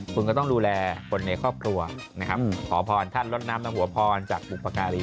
คุณก็ต้องดูแลคนในครอบครัวนะครับขอพรท่านลดน้ำหัวพรจากบุปการี